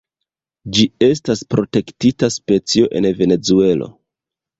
Ĝi estas protektita specio en Venezuelo.